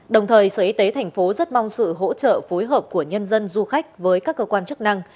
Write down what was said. đồng thời sở y tế thành phố rất mong sự hỗ trợ phối hợp của nhân dân du khách với các cơ quan chức năng